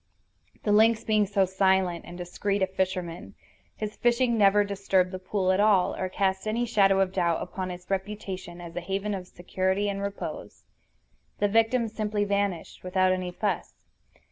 The lynx being so silent and discreet a fisherman, his fishing never disturbed the pool at all, or cast any shadow of doubt upon its reputation as a haven of security and repose. The victim simply vanished, without any fuss.